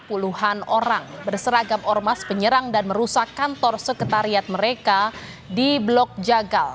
puluhan orang berseragam ormas penyerang dan merusak kantor sekretariat mereka di blok jagal